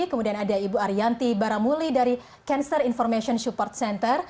kemudian ada ibu ariyanti baramuli dari cancer information support center